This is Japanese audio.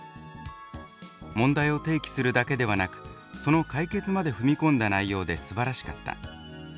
問題を提起するだけではなくその解決まで踏み込んだ内容ですばらしかった」